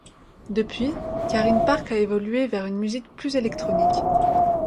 Depuis Karin Park a évolué vers une musique plus électronique.